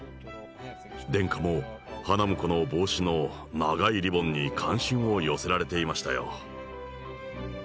殿下も花婿の帽子の長いリボンに関心を寄せられていましたよ。